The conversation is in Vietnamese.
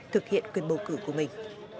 gửi của mình